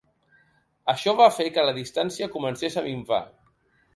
Això va fer que la distància comencés a minvar.